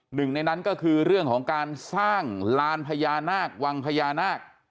หนึ่งในนั้นก็คือเรื่องของการสร้างลานพญานาควังพญานาค